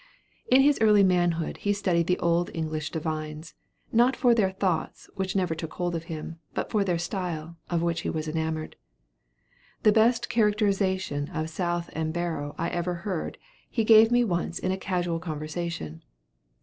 In his early manhood he studied the old English divines, not for their thoughts, which never took hold of him, but for their style, of which he was enamored. The best characterization of South and Barrow I ever heard he gave me once in a casual conversation.